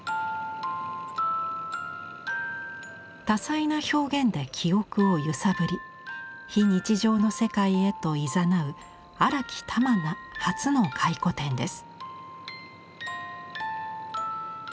多彩な表現で記憶を揺さぶり非日常の世界へといざなう荒木珠奈初の回顧展です。